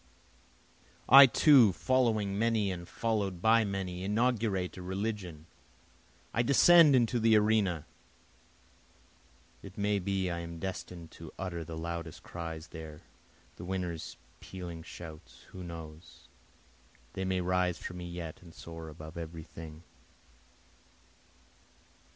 I too, following many and follow'd by many, inaugurate a religion, I descend into the arena, (It may be I am destin'd to utter the loudest cries there, the winner's pealing shouts, Who knows? they may rise from me yet, and soar above every thing.)